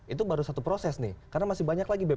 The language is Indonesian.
itu baru satu proses nih karena masih banyak lagi bp